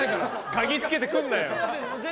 かぎつけてくるなよ。